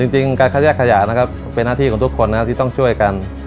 จริงการคัดแยกขยะนะครับเป็นหน้าที่ของทุกคนนะครับที่ต้องช่วยกัน